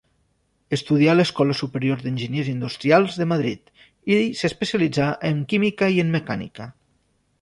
Estudià a l'Escola Superior d'Enginyers Industrials de Madrid, i s'especialitzà en química i en mecànica.